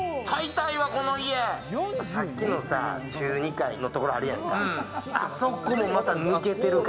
さっきの中２階のとこあるやんか。